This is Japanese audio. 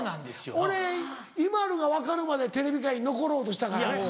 俺ＩＭＡＬＵが分かるまでテレビ界に残ろうとしたからね。